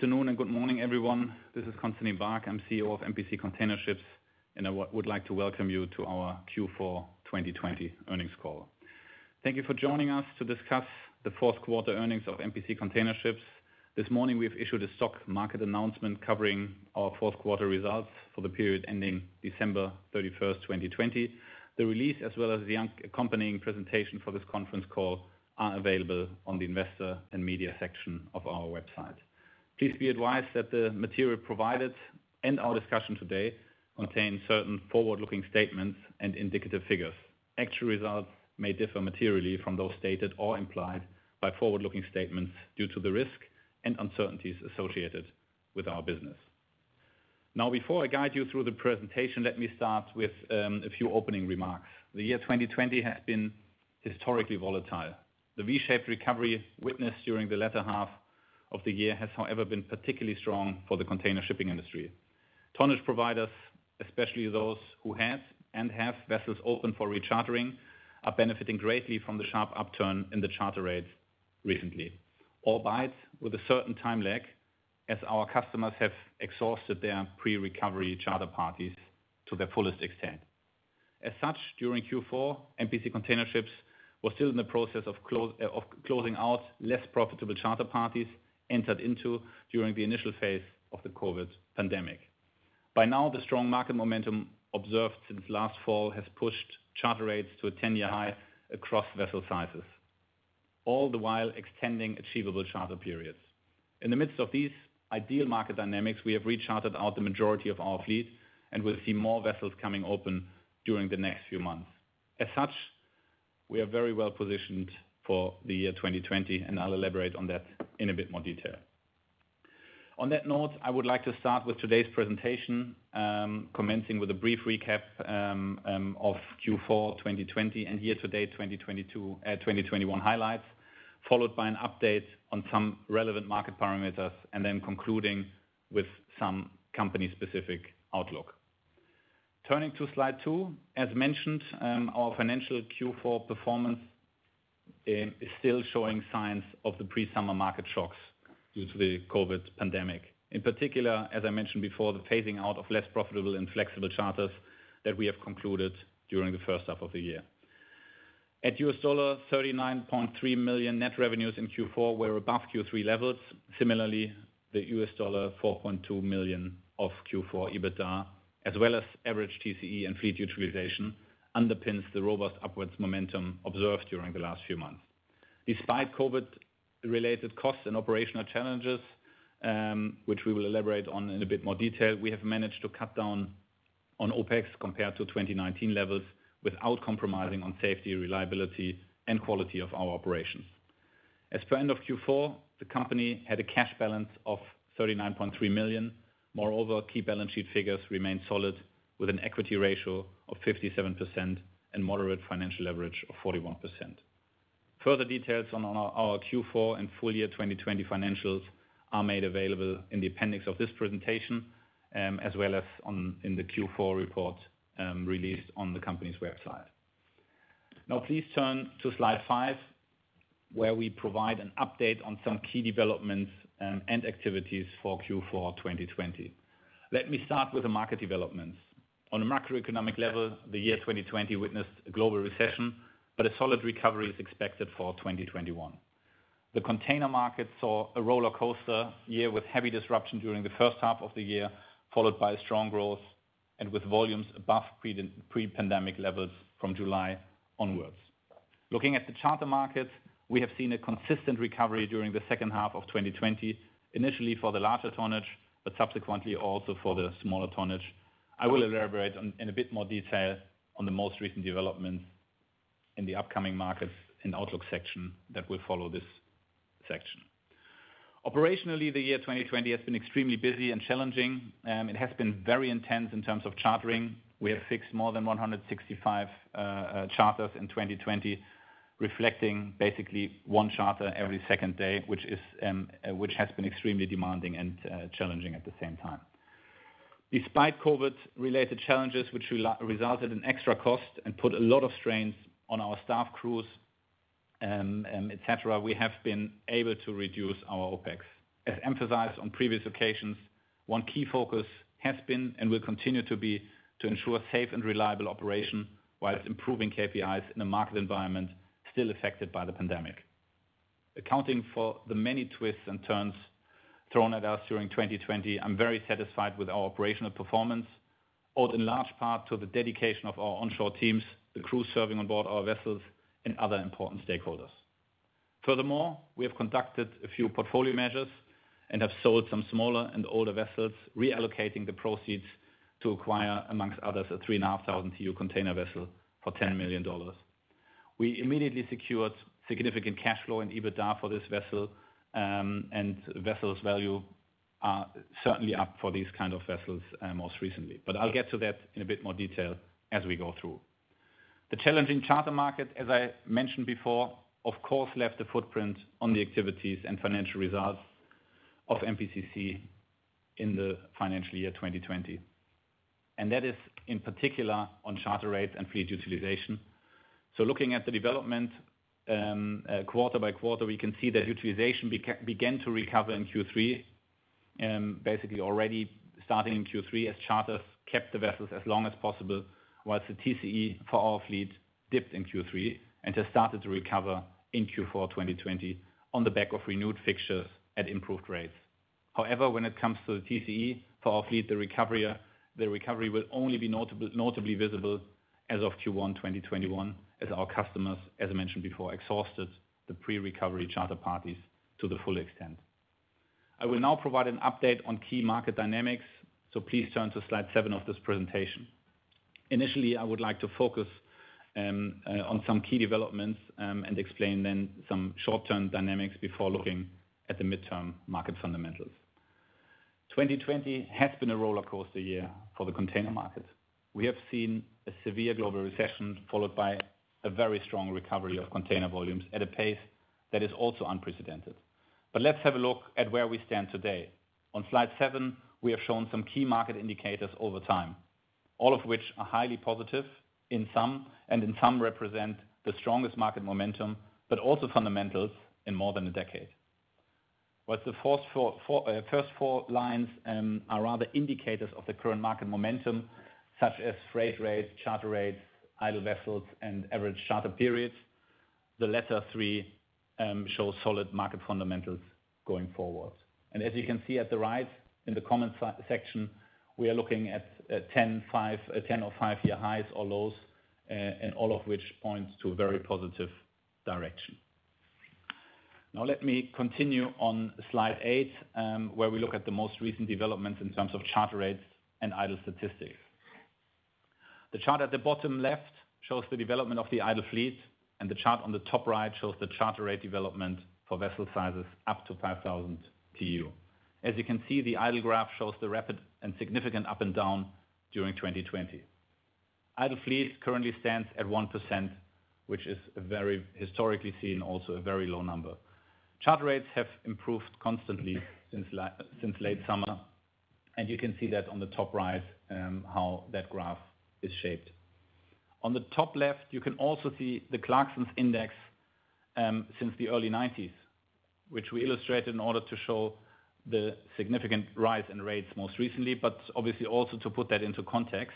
Good afternoon and good morning, everyone. This is Constantin Baack, I'm CEO of MPC Container Ships, and I would like to welcome you to our Q4 2020 earnings call. Thank you for joining us to discuss the fourth quarter earnings of MPC Container Ships. This morning, we have issued a stock market announcement covering our fourth quarter results for the period ending December 31st, 2020. The release, as well as the accompanying presentation for this conference call, are available on the investor and media section of our website. Please be advised that the material provided and our discussion today contain certain forward-looking statements and indicative figures. Actual results may differ materially from those stated or implied by forward-looking statements due to the risk and uncertainties associated with our business. Now, before I guide you through the presentation, let me start with a few opening remarks. The year 2020 has been historically volatile. The V-shaped recovery witnessed during the latter half of the year has, however, been particularly strong for the container shipping industry. Tonnage providers, especially those who had and have vessels open for rechartering, are benefiting greatly from the sharp upturn in the charter rates recently. Albeit, with a certain time lag, as our customers have exhausted their pre-recovery charter parties to their fullest extent. As such, during Q4, MPC Container Ships was still in the process of closing out less profitable charter parties entered into during the initial phase of the COVID pandemic. By now, the strong market momentum observed since last fall has pushed charter rates to a 10-year high across vessel sizes, all the while extending achievable charter periods. In the midst of these ideal market dynamics, we have rechartered out the majority of our fleet, and will see more vessels coming open during the next few months. We are very well-positioned for the year 2020, and I'll elaborate on that in a bit more detail. On that note, I would like to start with today's presentation, commencing with a brief recap of Q4 2020, and year-to-date 2021 highlights, followed by an update on some relevant market parameters, and then concluding with some company specific outlook. Turning to slide two. Our financial Q4 performance is still showing signs of the pre-summer market shocks due to the COVID pandemic. In particular, as I mentioned before, the phasing out of less profitable and flexible charters that we have concluded during the first half of the year. At $39.3 million, net revenues in Q4 were above Q3 levels. Similarly, the $4.2 million of Q4 EBITDA, as well as average TCE and fleet utilization, underpins the robust upwards momentum observed during the last few months. Despite COVID related costs and operational challenges, which we will elaborate on in a bit more detail, we have managed to cut down on OpEx compared to 2019 levels, without compromising on safety, reliability, and quality of our operations. As per end of Q4, the company had a cash balance of $39.3 million. Moreover, key balance sheet figures remain solid, with an equity ratio of 57% and moderate financial leverage of 41%. Further details on our Q4 and full year 2020 financials are made available in the appendix of this presentation, as well as in the Q4 report, released on the company's website. Now, please turn to slide five, where we provide an update on some key developments and activities for Q4 2020. Let me start with the market developments. On a macroeconomic level, the year 2020 witnessed a global recession, but a solid recovery is expected for 2021. The container market saw a rollercoaster year with heavy disruption during the first half of the year, followed by strong growth, and with volumes above pre-pandemic levels from July onwards. Looking at the charter markets, we have seen a consistent recovery during the second half of 2020, initially for the larger tonnage, but subsequently also for the smaller tonnage. I will elaborate in a bit more detail on the most recent developments in the upcoming markets and outlook section that will follow this section. Operationally, the year 2020 has been extremely busy and challenging. It has been very intense in terms of chartering. We have fixed more than 165 charters in 2020, reflecting basically one charter every second day, which has been extremely demanding and challenging at the same time. Despite COVID-related challenges, which resulted in extra cost and put a lot of strains on our staff crews, et cetera, we have been able to reduce our OpEx. As emphasized on previous occasions, one key focus has been and will continue to be to ensure safe and reliable operation whilst improving KPIs in a market environment still affected by the pandemic. Accounting for the many twists and turns thrown at us during 2020, I'm very satisfied with our operational performance, owed in large part to the dedication of our onshore teams, the crew serving on board our vessels, and other important stakeholders. We have conducted a few portfolio measures and have sold some smaller and older vessels, reallocating the proceeds to acquire, among others, a 3,500 TEU container vessel for $10 million. We immediately secured significant cash flow and EBITDA for this vessel, the vessel's value is certainly up for these kind of vessels most recently. I'll get to that in a bit more detail as we go through. The challenging charter market, as I mentioned before, of course left a footprint on the activities and financial results of MPCC in the financial year 2020. That is in particular on charter rates and fleet utilization. Looking at the development, quarter by quarter, we can see that utilization began to recover in Q3. Basically already starting in Q3 as charters kept the vessels as long as possible, whilst the TCE for our fleet dipped in Q3 and has started to recover in Q4 2020 on the back of renewed fixtures at improved rates. When it comes to the TCE for our fleet, the recovery will only be notably visible as of Q1 2021 as our customers, as I mentioned before, exhausted the pre-recovery charter parties to the full extent. I will now provide an update on key market dynamics, please turn to slide seven of this presentation. Initially, I would like to focus on some key developments, explain then some short-term dynamics before looking at the midterm market fundamentals. 2020 has been a roller coaster year for the container market. We have seen a severe global recession followed by a very strong recovery of container volumes at a pace that is also unprecedented. Let's have a look at where we stand today. On slide seven, we have shown some key market indicators over time, all of which are highly positive in sum, and in sum represent the strongest market momentum, but also fundamentals in more than a decade. What the first four lines are rather indicators of the current market momentum, such as freight rates, charter rates, idle vessels, and average charter periods. The latter three show solid market fundamentals going forward. As you can see at the right in the comment section, we are looking at 10 or five-year highs or lows, and all of which points to a very positive direction. Let me continue on slide eight, where we look at the most recent developments in terms of charter rates and idle statistics. The chart at the bottom left shows the development of the idle fleet, and the chart on the top right shows the charter rate development for vessel sizes up to 5,000 TEU. As you can see, the idle graph shows the rapid and significant up and down during 2020. Idle fleet currently stands at 1%, which is very historically seen also a very low number. Charter rates have improved constantly since late summer, and you can see that on the top right, how that graph is shaped. On the top left, you can also see the ClarkSea Index, since the early 1990s, which we illustrated in order to show the significant rise in rates most recently, but obviously also to put that into context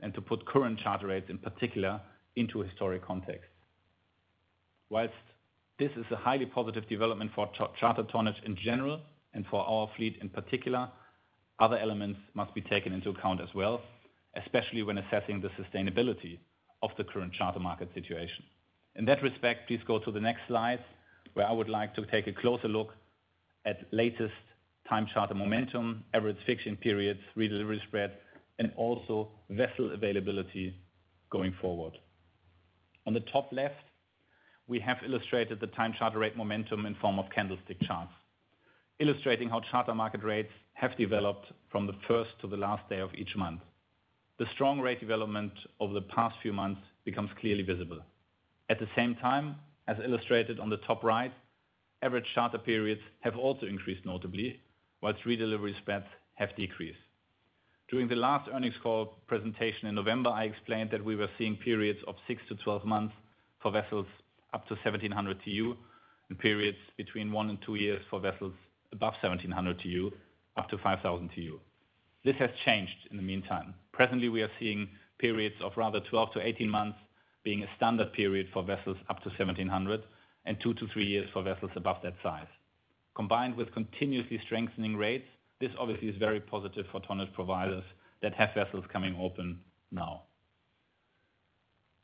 and to put current charter rates in particular into historic context. Whilst this is a highly positive development for charter tonnage in general and for our fleet in particular, other elements must be taken into account as well, especially when assessing the sustainability of the current charter market situation. In that respect, please go to the next slide, where I would like to take a closer look at latest time charter momentum, average fixing periods, redelivery spread, and also vessel availability going forward. On the top left, we have illustrated the time charter rate momentum in form of candlestick charts, illustrating how charter market rates have developed from the first to the last day of each month. The strong rate development over the past few months becomes clearly visible. At the same time, as illustrated on the top right, average charter periods have also increased notably, whilst redelivery spreads have decreased. During the last earnings call presentation in November, I explained that we were seeing periods of six to 12 months for vessels up to 1,700 TEU and periods between one and two years for vessels above 1,700 TEU up to 5,000 TEU. This has changed in the meantime. Presently, we are seeing periods of rather 12-18 months being a standard period for vessels up to 1,700 and two to three years for vessels above that size. Combined with continuously strengthening rates, this obviously is very positive for tonnage providers that have vessels coming open now.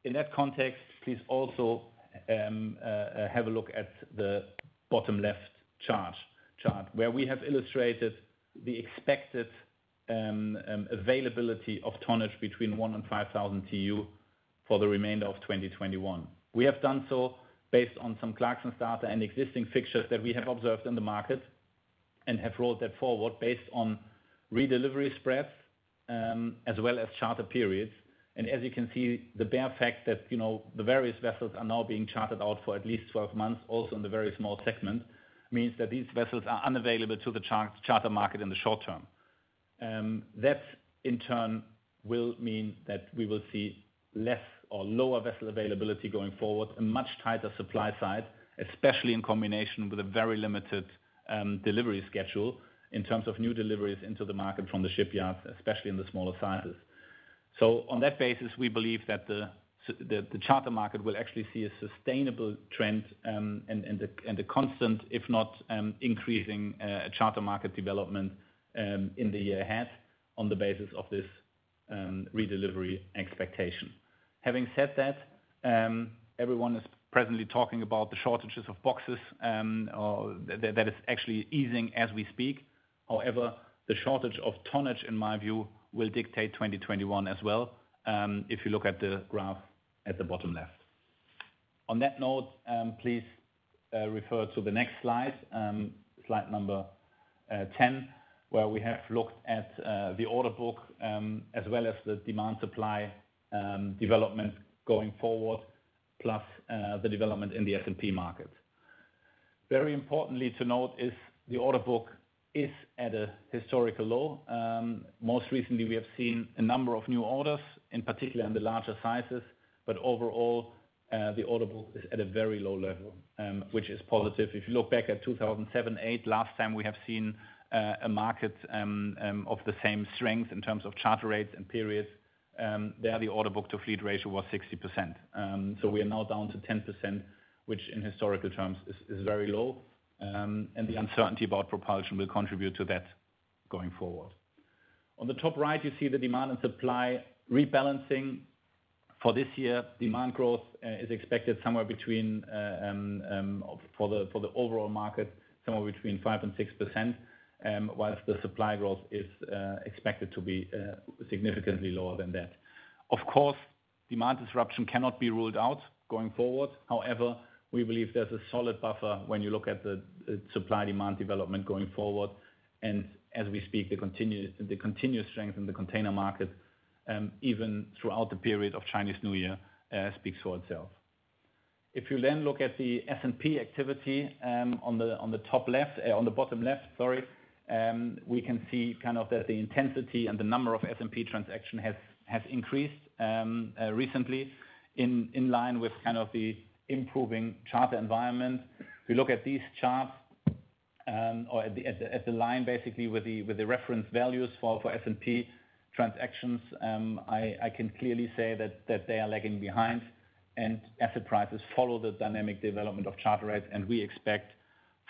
In that context, please also have a look at the bottom left chart, where we have illustrated the expected availability of tonnage between one and 5,000 TEU for the remainder of 2021. We have done so based on some Clarksons data and existing fixtures that we have observed in the market and have rolled that forward based on redelivery spreads, as well as charter periods. As you can see, the bare fact that the various vessels are now being chartered out for at least 12 months, also in the very small segment, means that these vessels are unavailable to the charter market in the short term. That in turn will mean that we will see less or lower vessel availability going forward. A much tighter supply side, especially in combination with a very limited delivery schedule in terms of new deliveries into the market from the shipyards, especially in the smaller sizes. On that basis, we believe that the charter market will actually see a sustainable trend, and the constant, if not increasing, charter market development in the year ahead on the basis of this redelivery expectation. Having said that, everyone is presently talking about the shortages of boxes, that is actually easing as we speak. However, the shortage of tonnage, in my view, will dictate 2021 as well, if you look at the graph at the bottom left. On that note, please refer to the next slide number 10, where we have looked at the order book, as well as the demand supply development going forward, plus the development in the S&P market. Very importantly to note is the order book is at a historical low. Most recently, we have seen a number of new orders, in particular in the larger sizes, but overall, the order book is at a very low level, which is positive. If you look back at 2007, 2008, last time we have seen a market of the same strength in terms of charter rates and periods, there, the order book to fleet ratio was 60%. We are now down to 10%, which in historical terms is very low. The uncertainty about propulsion will contribute to that going forward. On the top right, you see the demand and supply rebalancing for this year. Demand growth is expected, for the overall market, somewhere between 5% and 6%, whilst the supply growth is expected to be significantly lower than that. Of course, demand disruption cannot be ruled out going forward. However, we believe there's a solid buffer when you look at the supply-demand development going forward. As we speak, the continuous strength in the container market, even throughout the period of Chinese New Year, speaks for itself. If you then look at the S&P activity on the bottom left, we can see that the intensity and the number of S&P transactions has increased recently, in line with the improving charter environment. If you look at these charts, or at the line, basically, with the reference values for S&P transactions, I can clearly say that they are lagging behind, asset prices follow the dynamic development of charter rates, we expect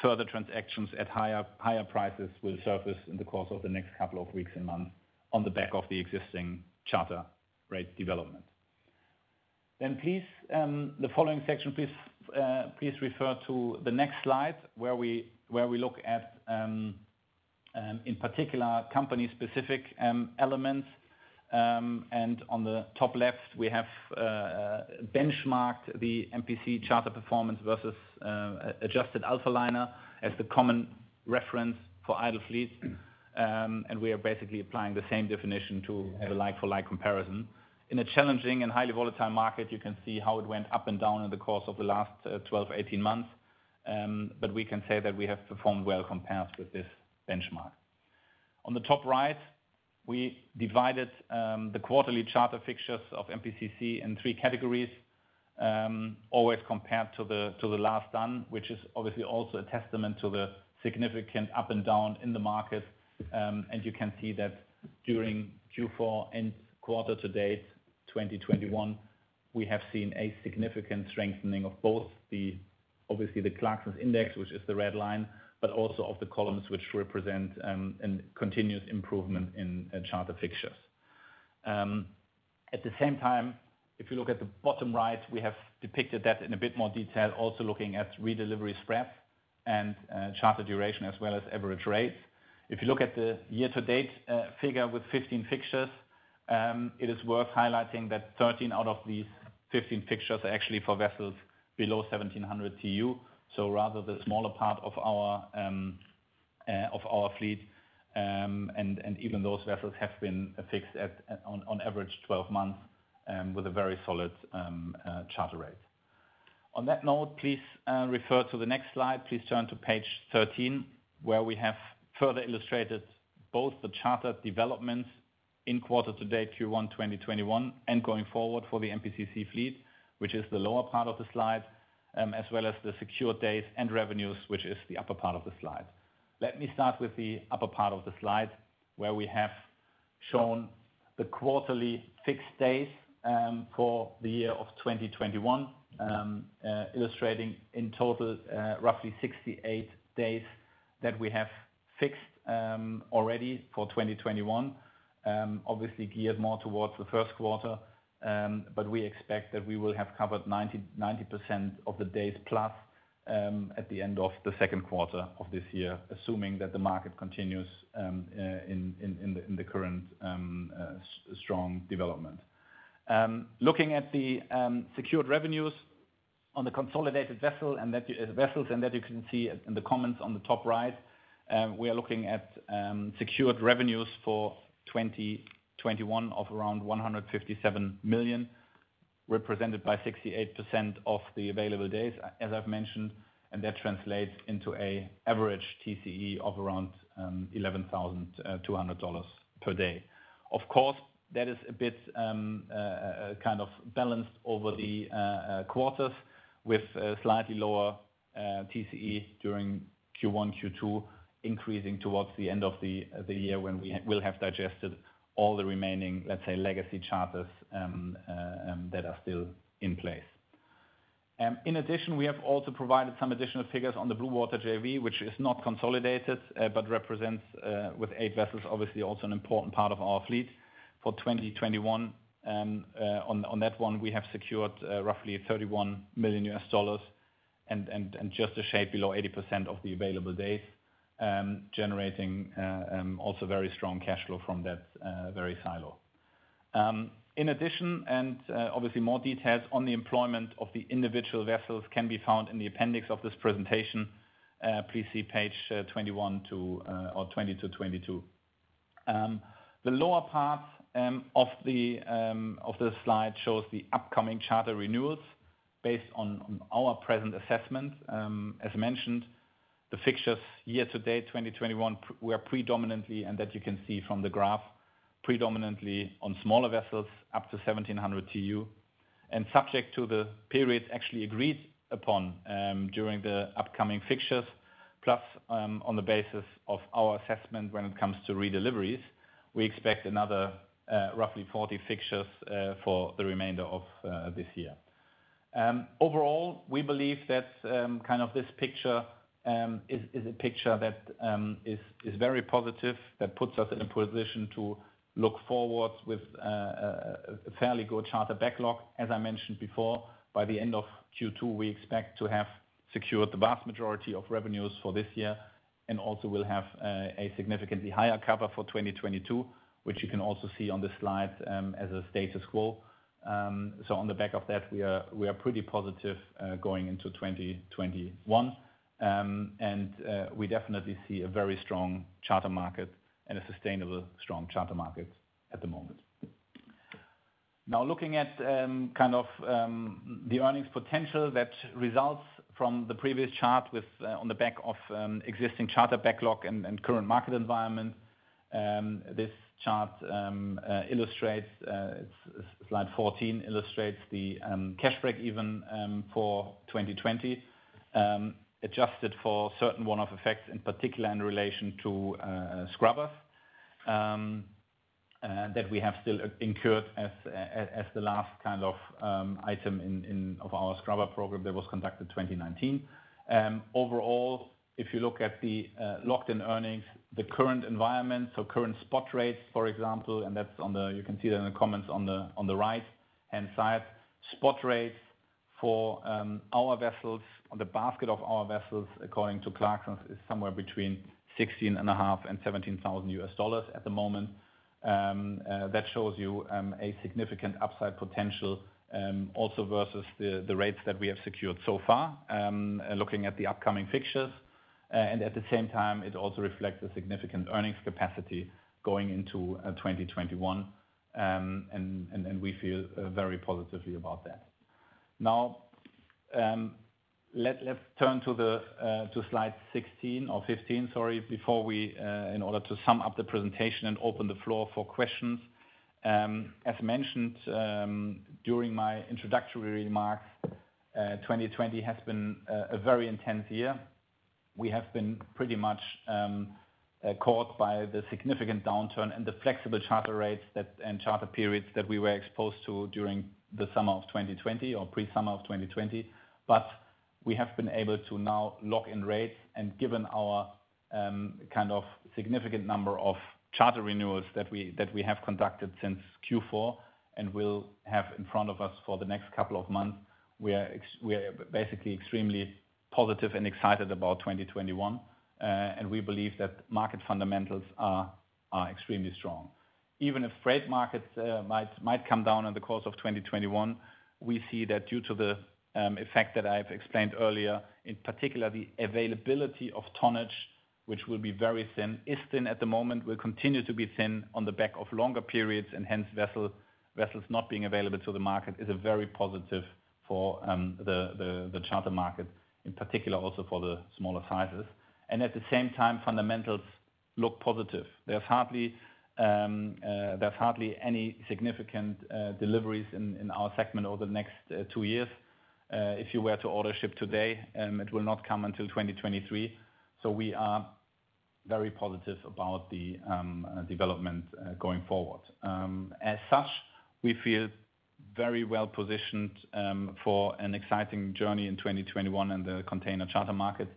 further transactions at higher prices will surface in the course of the next couple of weeks and months on the back of the existing charter rate development. Please, the following section, please refer to the next slide, where we look at, in particular, company-specific elements. On the top left, we have benchmarked the MPC charter performance versus adjusted Alphaliner as the common reference for idle fleets. We are basically applying the same definition to a like-for-like comparison. In a challenging and highly volatile market, you can see how it went up and down in the course of the last 12, 18 months. We can say that we have performed well compared with this benchmark. On the top right, we divided the quarterly charter fixtures of MPCC in three categories, always compared to the last done, which is obviously also a testament to the significant up and down in the market. You can see that during Q4 and quarter to date 2021, we have seen a significant strengthening of both the, obviously, the Clarksons Index, which is the red line, but also of the columns, which represent a continuous improvement in charter fixtures. At the same time, if you look at the bottom right, we have depicted that in a bit more detail, also looking at redelivery spread and charter duration as well as average rates. If you look at the year-to-date figure with 15 fixtures, it is worth highlighting that 13 out of these 15 fixtures are actually for vessels below 1,700 TEU, so rather the smaller part of our fleet. Even those vessels have been fixed at, on average, 12 months, with a very solid charter rate. On that note, please refer to the next slide. Please turn to page 13, where we have further illustrated both the charter developments in quarter to date Q1 2021 and going forward for the MPCC fleet, which is the lower part of the slide, as well as the secure days and revenues, which is the upper part of the slide. Let me start with the upper part of the slide, where we have shown the quarterly fixed days for the year of 2021, illustrating in total roughly 68 days that we have fixed already for 2021. Obviously geared more towards the first quarter. We expect that we will have covered 90% of the days plus at the end of the second quarter of this year, assuming that the market continues in the current strong development. Looking at the secured revenues on the consolidated vessels, and that you can see in the comments on the top right. We are looking at secured revenues for 2021 of around $157 million, represented by 68% of the available days, as I've mentioned, and that translates into an average TCE of around $11,200 per day. Of course, that is a bit balanced over the quarters with slightly lower TCE during Q1, Q2, increasing towards the end of the year when we will have digested all the remaining, let's say, legacy charters that are still in place. In addition, we have also provided some additional figures on the Bluewater JV, which is not consolidated but represents, with eight vessels, obviously also an important part of our fleet for 2021. On that one, we have secured roughly $31 million and just a shade below 80% of the available days, generating also very strong cash flow from that very silo. In addition, and obviously more details on the employment of the individual vessels can be found in the appendix of this presentation. Please see page 20-22. The lower part of the slide shows the upcoming charter renewals based on our present assessment. As mentioned, the fixtures year to date 2021 were predominantly, and that you can see from the graph, predominantly on smaller vessels up to 1,700 TEU, and subject to the period actually agreed upon during the upcoming fixtures. Plus, on the basis of our assessment when it comes to redeliveries, we expect another roughly 40 fixtures for the remainder of this year. Overall, we believe that this picture is a picture that is very positive, that puts us in a position to look forwards with a fairly good charter backlog. As I mentioned before, by the end of Q2, we expect to have secured the vast majority of revenues for this year, and also will have a significantly higher cover for 2022, which you can also see on this slide, as a status quo. On the back of that, we are pretty positive going into 2021. We definitely see a very strong charter market and a sustainable strong charter market at the moment. Now looking at the earnings potential that results from the previous chart on the back of existing charter backlog and current market environment. This chart, slide 14, illustrates the cash break even for 2020, adjusted for certain one-off effects, in particular in relation to scrubbers, that we have still incurred as the last item of our scrubber program that was conducted 2019. Overall, if you look at the locked-in earnings, the current environment, so current spot rates, for example, and you can see that in the comments on the right-hand side. Spot rates for our vessels, on the basket of our vessels, according to Clarksons, is somewhere between $16.5 and $17,000 at the moment. That shows you a significant upside potential, also versus the rates that we have secured so far, looking at the upcoming fixtures. At the same time, it also reflects a significant earnings capacity going into 2021. We feel very positively about that. Let's turn to slide 16 or 15, sorry, in order to sum up the presentation and open the floor for questions. As mentioned during my introductory remarks, 2020 has been a very intense year. We have been pretty much caught by the significant downturn and the flexible charter rates and charter periods that we were exposed to during the summer of 2020 or pre-summer of 2020. We have been able to now lock in rates and given our significant number of charter renewals that we have conducted since Q4, and will have in front of us for the next couple of months. We are basically extremely positive and excited about 2021. We believe that market fundamentals are extremely strong. Even if freight markets might come down in the course of 2021, we see that due to the effect that I've explained earlier, in particular, the availability of tonnage, which will be very thin, is thin at the moment, will continue to be thin on the back of longer periods, and hence vessels not being available to the market, is a very positive for the charter market, in particular also for the smaller sizes. At the same time, fundamentals look positive. There's hardly any significant deliveries in our segment over the next two years. If you were to order a ship today, it will not come until 2023. We are very positive about the development going forward. As such, we feel very well positioned for an exciting journey in 2021 in the container charter market.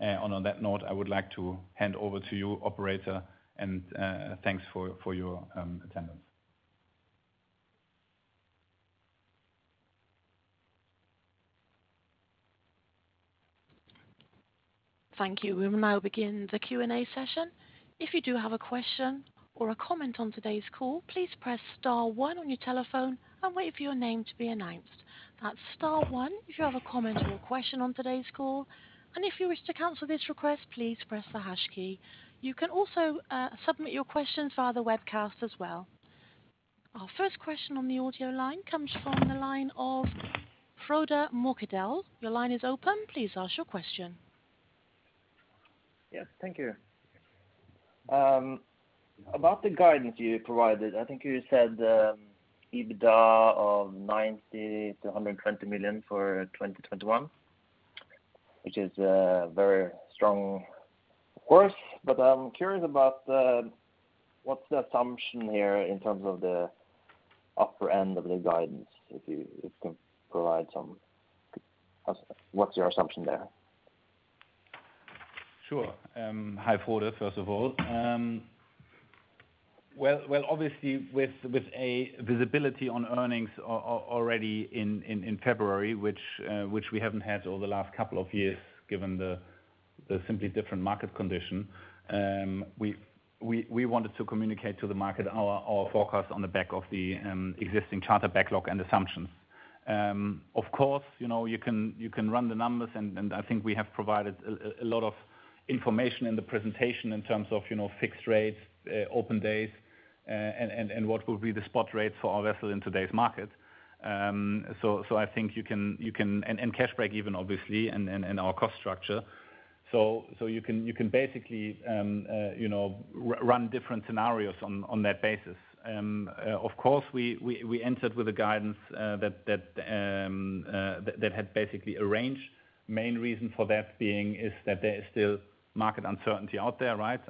On that note, I would like to hand over to you, operator, and thanks for your attendance. Thank you. We will now begin the Q&A session. If you do have a question or a comment on today's call, please press star one on your telephone and wait for your name to be announced. That's star one if you have a comment or question on today's call. If you wish to cancel this request, please press the hash key. You can also submit your questions via the webcast as well. Our first question on the audio line comes from the line of Frode Mørkedal. Your line is open. Please ask your question. Yes. Thank you. About the guidance you provided, I think you said EBITDA of $90 million-$120 million for 2021, which is very strong, of course. I'm curious about what's the assumption here in terms of the upper end of the guidance. What's your assumption there? Sure. Hi, Frode, first of all. Well, obviously with a visibility on earnings already in February, which we haven't had over the last couple of years, given the simply different market condition. We wanted to communicate to the market our forecast on the back of the existing charter backlog and assumptions. You can run the numbers, and I think we have provided a lot of information in the presentation in terms of fixed rates, open days, and what will be the spot rates for our vessels in today's market. I think you can. Cash break-even, obviously, and our cost structure. You can basically run different scenarios on that basis. We entered with a guidance that had basically a range. The main reason for that being is that there is still market uncertainty out there, right?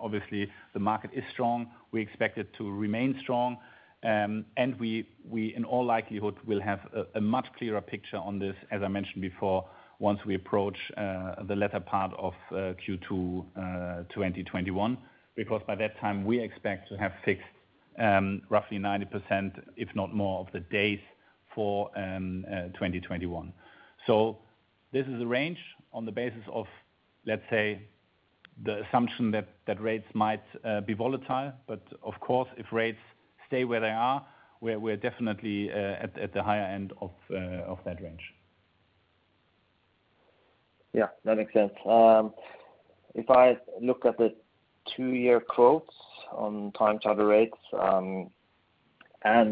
Obviously, the market is strong. We expect it to remain strong. We, in all likelihood, will have a much clearer picture on this, as I mentioned before, once we approach the latter part of Q2 2021, because by that time, we expect to have fixed roughly 90%, if not more, of the days for 2021. This is a range on the basis of, let's say, the assumption that rates might be volatile, but of course, if rates stay where they are, we're definitely at the higher end of that range. Yeah, that makes sense. If I look at the two-year quotes on time charter rates, and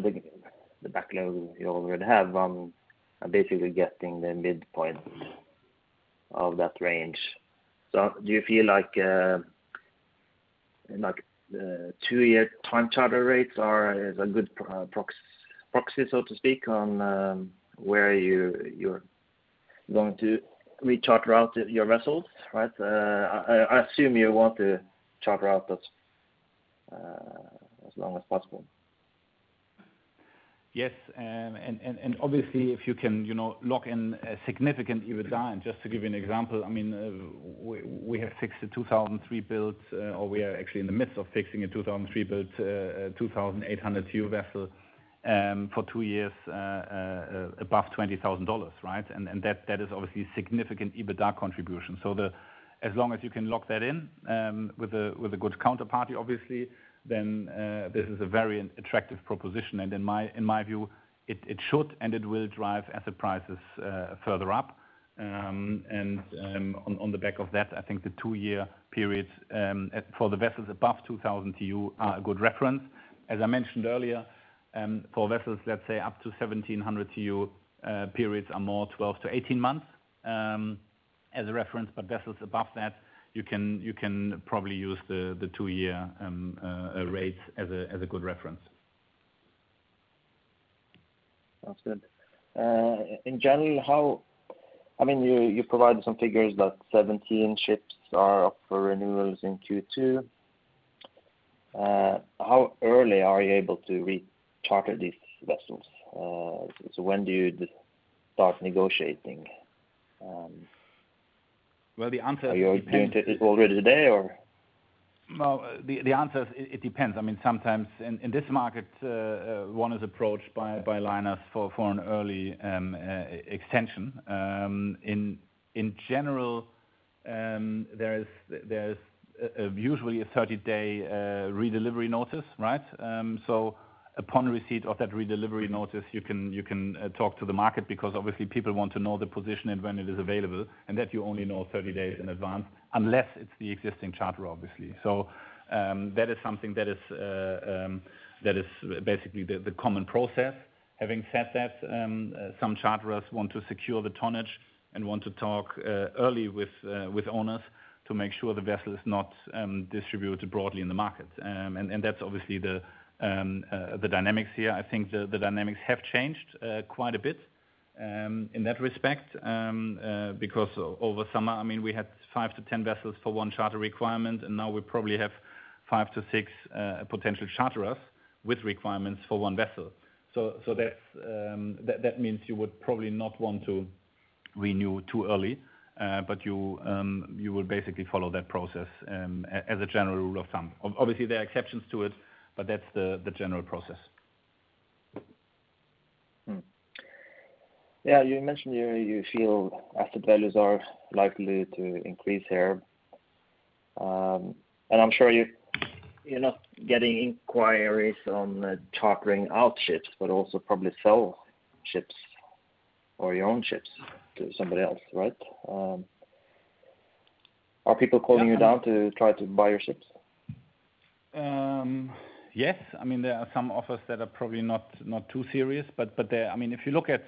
the backlog you already have, I'm basically getting the midpoint of that range. Do you feel like the two-year time charter rates are a good proxy, so to speak, on where you're going to re-charter out your vessels, right? I assume you want to charter out those as long as possible. Yes. Obviously, if you can lock in a significant EBITDA, just to give you an example, we have fixed a 2003 build, or we are actually in the midst of fixing a 2003 build, a 2,800 TEU vessel for two years above $20,000, right? That is obviously significant EBITDA contribution. As long as you can lock that in, with a good counterparty, obviously, this is a very attractive proposition. In my view, it should and it will drive asset prices further up. On the back of that, I think the two-year period, for the vessels above 2,000 TEU are a good reference. As I mentioned earlier, for vessels, let's say up to 1,700 TEU, periods are more 12 to 18 months as a reference. Vessels above that, you can probably use the two-year rates as a good reference. Sounds good. In general, you provided some figures that 17 ships are up for renewals in Q2. How early are you able to re-charter these vessels? When do you start negotiating? Well, the answer depends. Are you doing this already today, or? Well, the answer is, it depends. Sometimes in this market, one is approached by liners for an early extension. In general, there is usually a 30-day redelivery notice, right? Upon receipt of that redelivery notice, you can talk to the market because obviously people want to know the position and when it is available, and that you only know 30 days in advance, unless it's the existing charterer, obviously. That is something that is basically the common process. Having said that, some charterers want to secure the tonnage and want to talk early with owners to make sure the vessel is not distributed broadly in the market. That's obviously the dynamics here. I think the dynamics have changed quite a bit in that respect, because over summer, we had five to 10 vessels for one charter requirement, and now we probably have five to six potential charterers with requirements for one vessel. That means you would probably not want to renew too early. You will basically follow that process as a general rule of thumb. Obviously, there are exceptions to it, but that's the general process. Yeah. You mentioned you feel asset values are likely to increase here. I'm sure you're not getting inquiries on chartering out ships, but also probably sell ships or your own ships to somebody else, right? Are people calling you now to try to buy your ships? Yes. There are some offers that are probably not too serious, but if you look at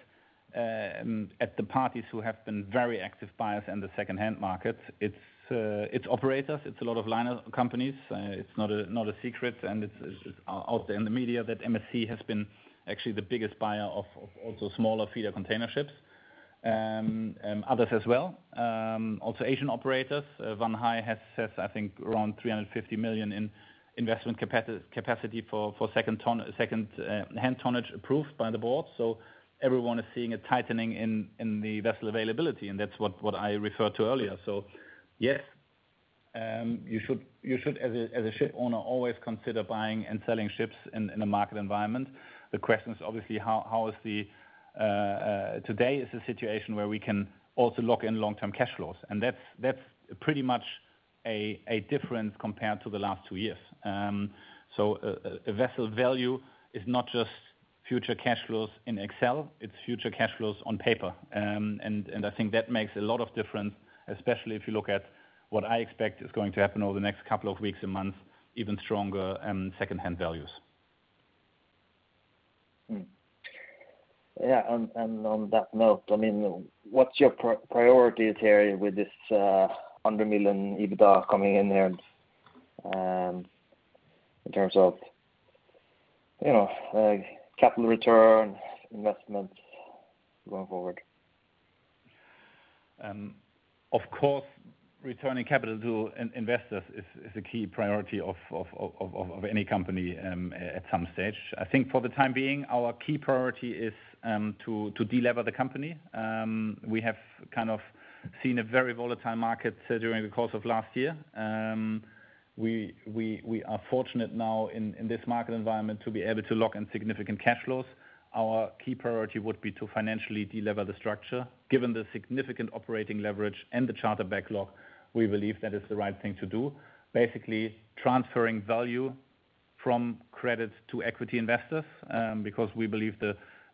the parties who have been very active buyers in the secondhand market, it's operators. It's a lot of liner companies. It's not a secret, and it's out there in the media that MSC has been actually the biggest buyer of also smaller feeder container ships. Others as well. Also Asian operators. Wan Hai has, I think, around $350 million in investment capacity for secondhand tonnage approved by the board. Everyone is seeing a tightening in the vessel availability, and that's what I referred to earlier. Yes, you should as a ship owner, always consider buying and selling ships in a market environment. The question is obviously, today is the situation where we can also lock in long-term cash flows. That's pretty much a difference compared to the last two years. A vessel value is not just future cash flows in Excel, it's future cash flows on paper. I think that makes a lot of difference, especially if you look at what I expect is going to happen over the next couple of weeks and months, even stronger secondhand values. Yeah. On that note, what's your priorities here with this $100 million EBITDA coming in there in terms of capital return, investments going forward? Of course, returning capital to investors is a key priority of any company at some stage. I think for the time being, our key priority is to delever the company. We have seen a very volatile market during the course of last year. We are fortunate now in this market environment to be able to lock in significant cash flows. Our key priority would be to financially delever the structure. Given the significant operating leverage and the charter backlog, we believe that is the right thing to do. Basically, transferring value from credit to equity investors, because we believe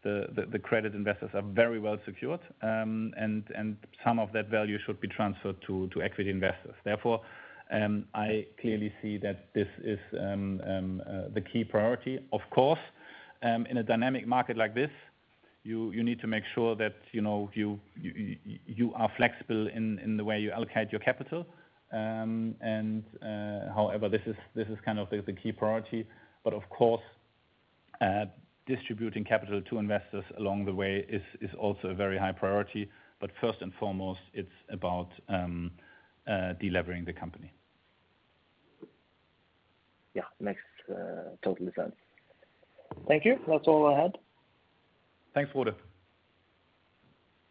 the credit investors are very well secured, and some of that value should be transferred to equity investors. Therefore, I clearly see that this is the key priority. Of course, in a dynamic market like this, you need to make sure that you are flexible in the way you allocate your capital. However, this is the key priority. Of course, distributing capital to investors along the way is also a very high priority. First and foremost, it's about delevering the company. Yeah. Makes total sense. Thank you. That's all I had. Thanks, Frode.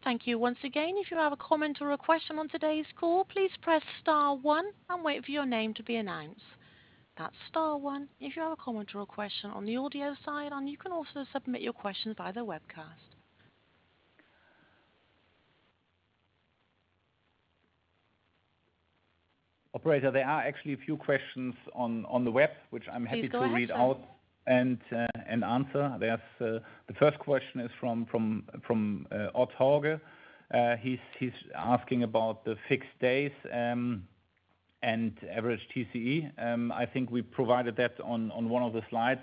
Thank you once again. If you have a comment or a question on today's call, please press star one and wait for your name to be announced. That's star one if you have a comment or a question on the audio side, and you can also submit your questions via the webcast. Operator, there are actually a few questions on the web, which I'm happy to read out. Please go ahead. Answer. The first question is from Ove Røssland. He's asking about the fixed days and average TCE. I think we provided that on one of the slides.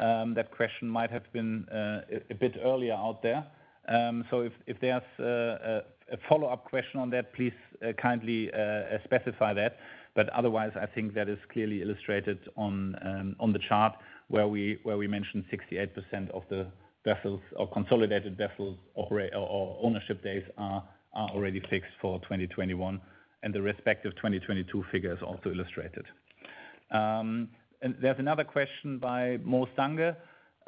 That question might have been a bit earlier out there. If there's a follow-up question on that, please kindly specify that. Otherwise, I think that is clearly illustrated on the chart where we mentioned 68% of the vessels or consolidated vessels or ownership days are already fixed for 2021, and the respective 2022 figures also illustrated. There's another question by Eirik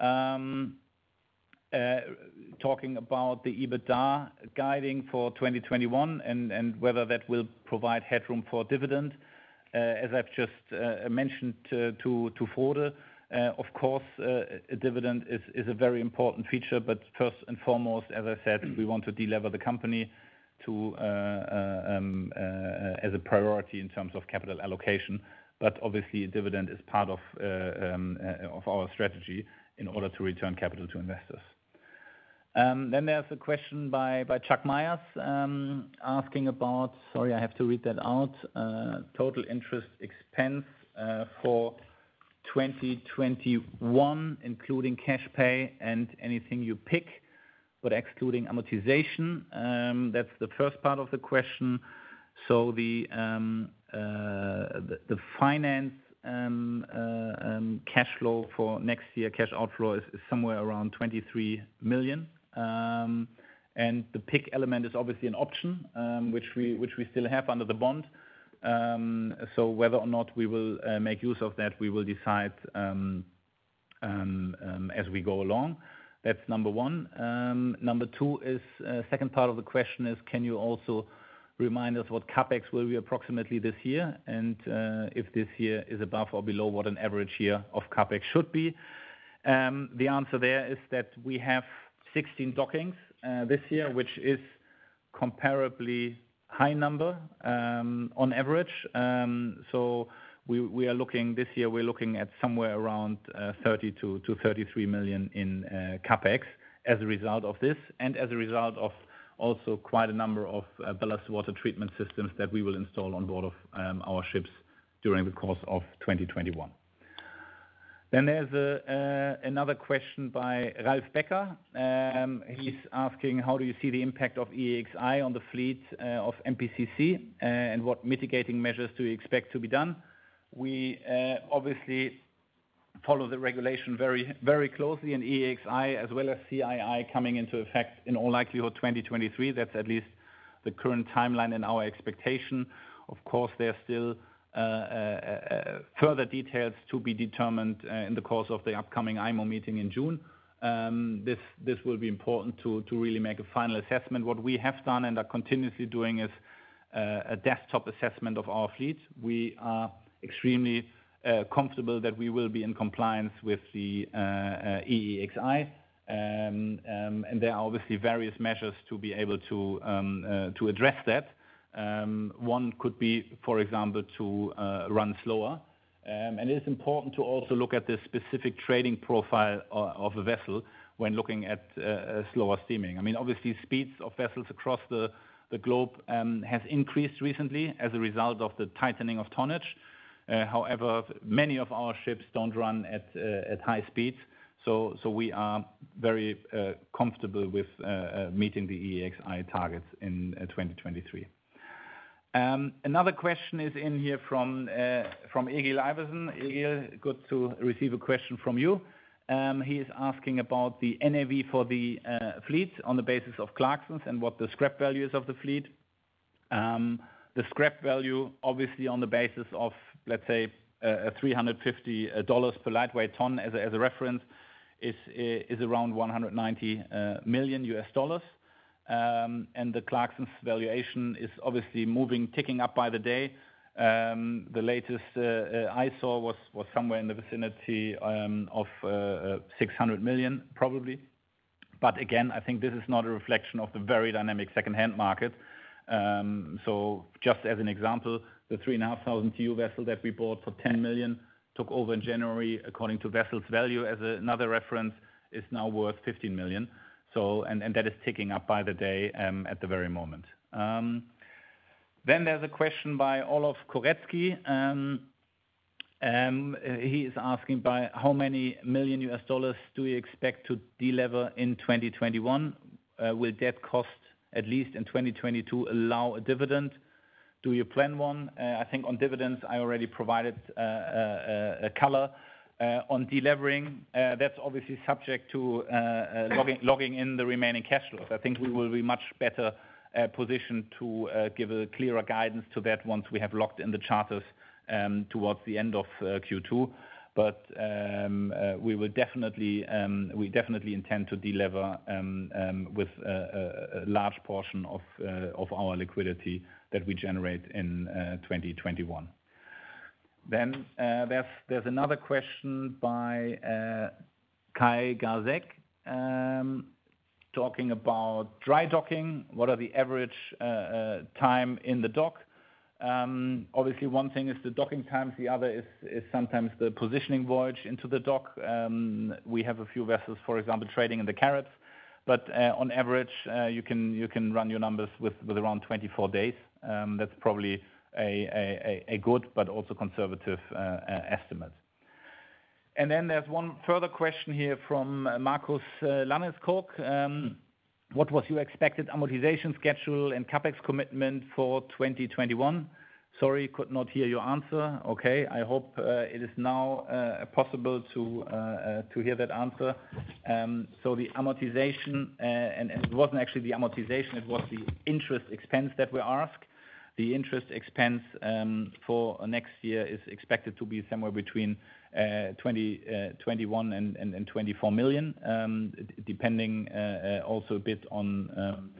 Haavaldsen talking about the EBITDA guiding for 2021, and whether that will provide headroom for dividend. As I've just mentioned to Frode, of course, a dividend is a very important feature, but first and foremost, as I said, we want to delever the company as a priority in terms of capital allocation. Obviously, a dividend is part of our strategy in order to return capital to investors. There's a question by Chuck Myers, asking about, sorry, I have to read that out. Total interest expense for 2021, including cash pay and anything you PIK, but excluding amortization. That's the first part of the question. The finance cash flow for next year, cash outflow is somewhere around $23 million. The PIK element is obviously an option, which we still have under the bond. Whether or not we will make use of that, we will decide as we go along. That's number one. Number two is, second part of the question is, can you also remind us what CapEx will be approximately this year? If this year is above or below what an average year of CapEx should be? The answer there is that we have 16 dockings this year, which is comparably high number on average. This year we're looking at somewhere around $32 million-$33 million in CapEx as a result of this, and as a result of also quite a number of ballast water treatment systems that we will install on board of our ships during the course of 2021. There's another question by Ralph Becker. He's asking, how do you see the impact of EEXI on the fleet of MPCC, and what mitigating measures do you expect to be done? We obviously follow the regulation very closely in EEXI as well as CII coming into effect in all likelihood, 2023. That's at least the current timeline and our expectation. Of course, there are still further details to be determined in the course of the upcoming IMO meeting in June. This will be important to really make a final assessment. What we have done and are continuously doing is a desktop assessment of our fleet. We are extremely comfortable that we will be in compliance with the EEXI. There are obviously various measures to be able to address that. One could be, for example, to run slower. It is important to also look at the specific trading profile of a vessel when looking at slower steaming. Obviously, speeds of vessels across the globe has increased recently as a result of the tightening of tonnage. However, many of our ships don't run at high speeds, so we are very comfortable with meeting the EEXI targets in 2023. Another question is in here from Egil Iversen. Egil, good to receive a question from you. He is asking about the NAV for the fleet on the basis of Clarksons and what the scrap value is of the fleet. The scrap value, obviously, on the basis of, let's say, $350 per lightweight ton as a reference, is around $190 million. The Clarksons valuation is obviously ticking up by the day. The latest I saw was somewhere in the vicinity of $600 million, probably. Again, I think this is not a reflection of the very dynamic secondhand market. Just as an example, the three and a half thousand TEU vessel that we bought for $10 million, took over in January, according to VesselsValue as another reference, is now worth $15 million. That is ticking up by the day at the very moment. There's a question by Olaf Koretsky, he is asking by how many million US dollars do we expect to delever in 2021? Will debt cost, at least in 2022, allow a dividend? Do you plan one? I think on dividends, I already provided color. On delevering, that's obviously subject to logging in the remaining cash flows. I think we will be much better positioned to give a clearer guidance to that once we have locked in the charters towards the end of Q2. We definitely intend to delever with a large portion of our liquidity that we generate in 2021. There's another question by Kai Garzek, talking about dry docking. What are the average time in the dock? Obviously, one thing is the docking times, the other is sometimes the positioning voyage into the dock. We have a few vessels, for example, trading in the Caribs. On average, you can run your numbers with around 24 days. That's probably a good, but also conservative estimate. There's one further question here from Marcus Lannes Koch. What was your expected amortization schedule and CapEx commitment for 2021? Sorry, could not hear your answer. I hope it is now possible to hear that answer. The amortization, and it wasn't actually the amortization, it was the interest expense that we asked. The interest expense for next year is expected to be somewhere between $21 million-$24 million, depending also a bit on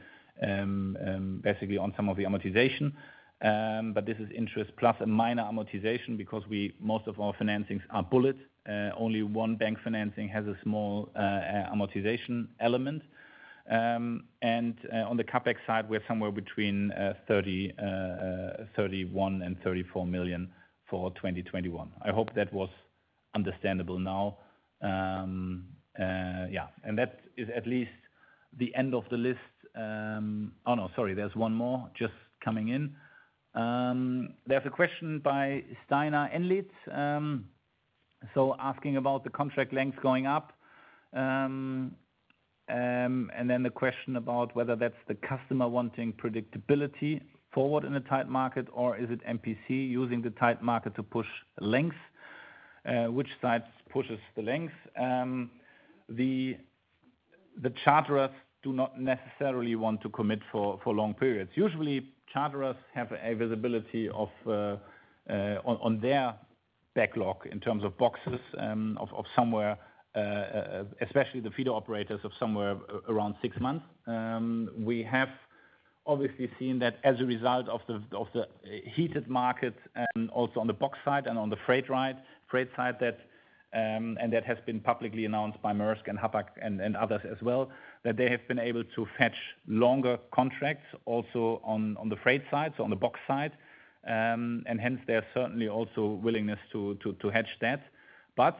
basically on some of the amortization. This is interest plus a minor amortization because most of our financings are bullet. Only one bank financing has a small amortization element. On the CapEx side, we're somewhere between $31 million-$34 million for 2021. I hope that was understandable now. Yeah. That is at least the end of the list. Oh, no, sorry, there's one more just coming in. There's a question by Steinar Endlid, asking about the contract length going up. The question about whether that's the customer wanting predictability forward in a tight market, or is it MPC using the tight market to push length? Which side pushes the length? The charterers do not necessarily want to commit for long periods. Usually, charterers have a visibility on their backlog in terms of boxes of somewhere, especially the feeder operators, of somewhere around six months. We have obviously seen that as a result of the heated markets and also on the box side and on the freight side, and that has been publicly announced by Maersk and Hapag and others as well, that they have been able to fetch longer contracts also on the freight side, so on the box side. Hence, there's certainly also willingness to hedge that. That's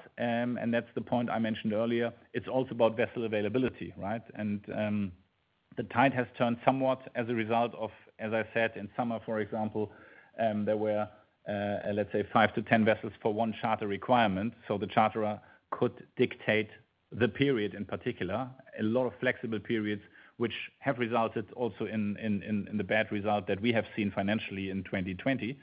the point I mentioned earlier, it's also about vessel availability, right? The tide has turned somewhat as a result of, as I said, in summer, for example, there were, let's say, five to 10 vessels for one charter requirement. The charterer could dictate the period, in particular. A lot of flexible periods, which have resulted also in the bad result that we have seen financially in 2020,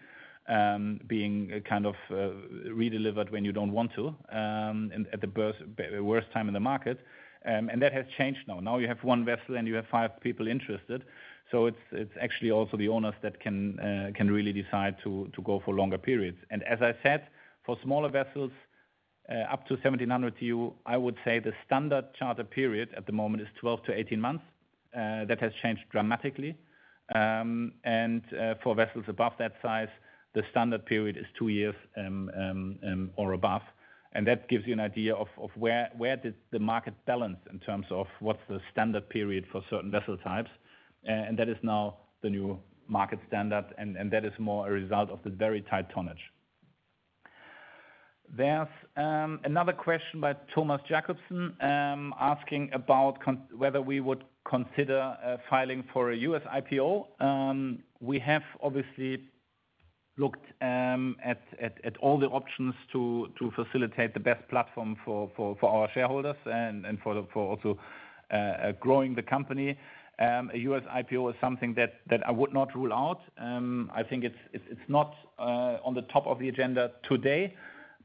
being kind of redelivered when you don't want to, at the worst time in the market. That has changed now. Now you have one vessel, and you have five people interested. It's actually also the owners that can really decide to go for longer periods. As I said, for smaller vessels up to 1,700 TEU, I would say the standard charter period at the moment is 12 to 18 months. That has changed dramatically. For vessels above that size, the standard period is two years or above. That gives you an idea of where did the market balance in terms of what's the standard period for certain vessel types. That is now the new market standard, and that is more a result of the very tight tonnage. There is another question by Thomas Jacobson, asking about whether we would consider filing for a US IPO. We have obviously looked at all the options to facilitate the best platform for our shareholders and for also growing the company. A US IPO is something that I would not rule out. I think it is not on the top of the agenda today,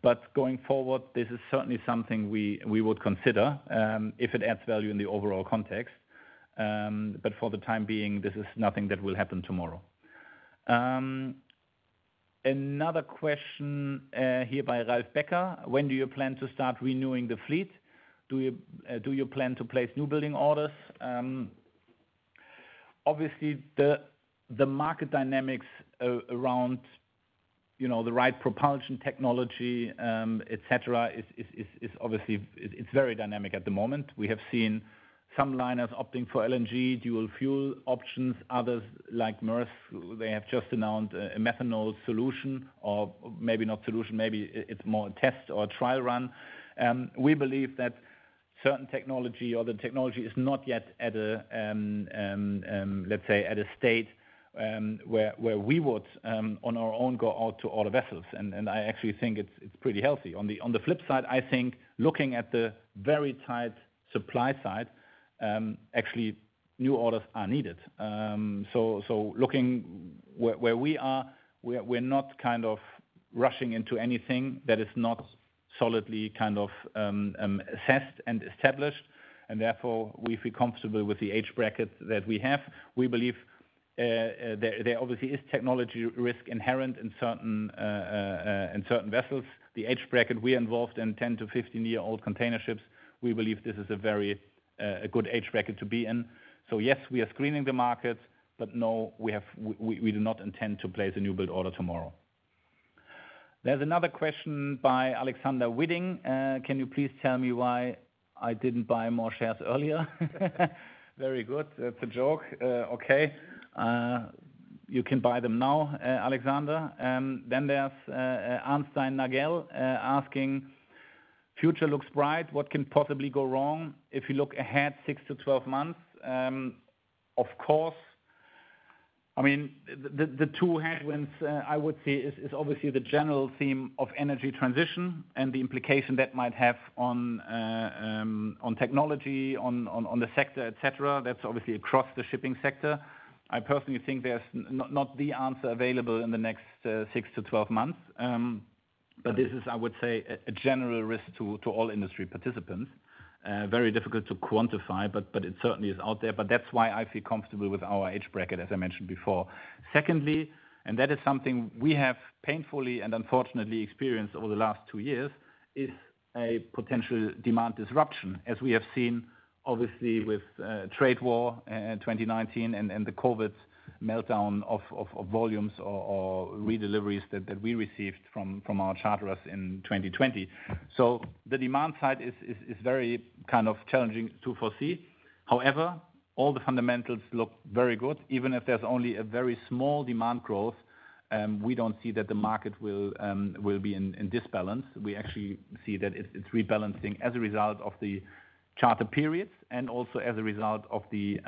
but going forward, this is certainly something we would consider, if it adds value in the overall context. For the time being, this is nothing that will happen tomorrow. Another question here by Ralph Becker. When do you plan to start renewing the fleet? Do you plan to place new building orders? Obviously, the market dynamics around the right propulsion technology, et cetera, it is very dynamic at the moment. We have seen some liners opting for LNG dual fuel options. Others, like Maersk, they have just announced a methanol solution, or maybe not solution, maybe it's more a test or a trial run. We believe that certain technology or the technology is not yet at, let's say, a state where we would, on our own, go out to order vessels. I actually think it's pretty healthy. On the flip side, I think looking at the very tight supply side, actually new orders are needed. Looking where we are, we're not rushing into anything that is not solidly assessed and established, and therefore, we feel comfortable with the age bracket that we have. We believe there obviously is technology risk inherent in certain vessels. The age bracket we are involved in 10 to 15-year-old container ships. We believe this is a very good age bracket to be in. Yes, we are screening the market, but no, we do not intend to place a new build order tomorrow. There's another question by Alexander Widding. Can you please tell me why I didn't buy more shares earlier? Very good. That's a joke. Okay. You can buy them now, Alexander. There's Arnstein Nagell, asking, future looks bright, what can possibly go wrong if you look ahead 6-12 months? Of course. The two headwinds I would say is obviously the general theme of energy transition and the implication that might have on technology, on the sector, et cetera. That's obviously across the shipping sector. I personally think there's not the answer available in the next 6-12 months. This is, I would say, a general risk to all industry participants. Very difficult to quantify, but it certainly is out there. That's why I feel comfortable with our age bracket, as I mentioned before. Secondly, and that is something we have painfully and unfortunately experienced over the last two years, is a potential demand disruption, as we have seen, obviously, with trade war in 2019 and the COVID meltdown of volumes or redeliveries that we received from our charterers in 2020. The demand side is very challenging to foresee. However, all the fundamentals look very good. Even if there's only a very small demand growth, we don't see that the market will be in disbalance. We actually see that it's rebalancing as a result of the charter periods and also as a result of the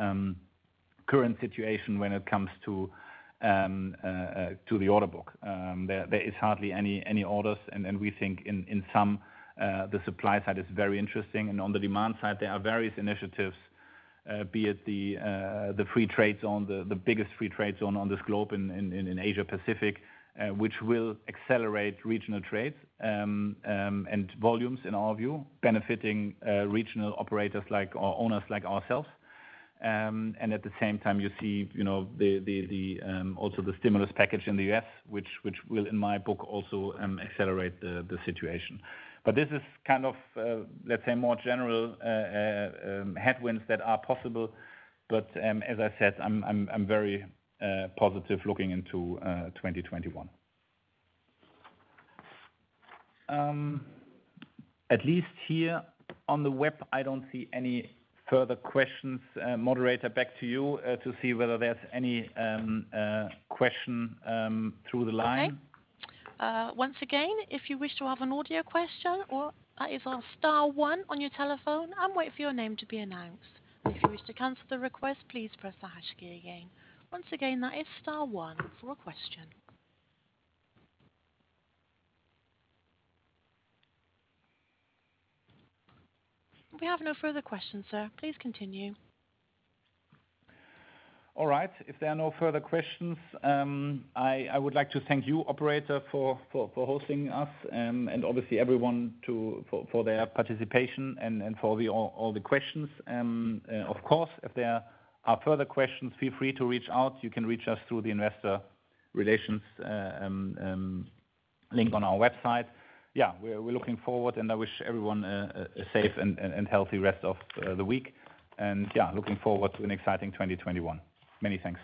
current situation when it comes to the order book. There is hardly any orders, and we think in sum, the supply side is very interesting. On the demand side, there are various initiatives, be it the free trade zone, the biggest free trade zone on this globe in Asia Pacific, which will accelerate regional trades and volumes, in our view, benefiting regional operators or owners like ourselves. At the same time, you see also the stimulus package in the U.S., which will, in my book, also accelerate the situation. This is, let's say, more general headwinds that are possible. As I said, I am very positive looking into 2021. At least here on the web, I do not see any further questions. Moderator, back to you to see whether there is any question through the line. Okay. Once again, if you wish to have an audio question, that is on star one on your telephone and wait for your name to be announced. If you wish to cancel the request, please press the hash key again. Once again, that is star one for a question. We have no further questions, sir. Please continue. All right. If there are no further questions, I would like to thank you, operator, for hosting us, and obviously everyone for their participation and for all the questions. Of course, if there are further questions, feel free to reach out. You can reach us through the investor relations link on our website. We're looking forward, and I wish everyone a safe and healthy rest of the week. Looking forward to an exciting 2021. Many thanks.